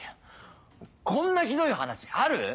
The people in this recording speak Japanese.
こんなひどい話ある？